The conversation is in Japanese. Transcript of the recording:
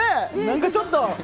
なんかちょっと。